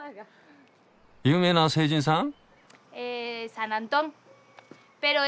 有名な聖人さん？